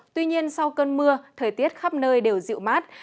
tuy nhiên sau cơn mưa thời tiết khắp nơi đều dịu mát